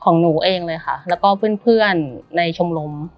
ของหนูเองเลยค่ะแล้วก็เพื่อนในชมรม